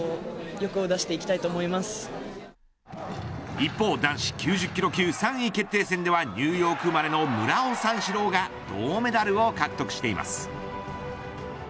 一方、男子９０キロ級３位決定戦ではニューヨーク生まれの村尾三四郎が銅メダルを獲得しています。